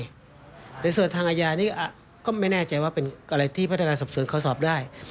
ในส่วนทางอาญานี้ก็ไม่แน่ใจว่าเป็นอะไรที่พนักงานสอบสวนเขาสอบได้